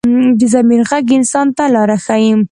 د ضمیر غږ انسان ته لاره ښيي